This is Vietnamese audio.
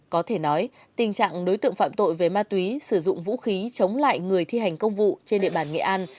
có thể nói tình trạng đối tượng phạm tội về ma túy sử dụng vũ khí chống lại người thi hành công vụ trên địa bàn nghệ an